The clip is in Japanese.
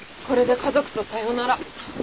これで家族とさよなら。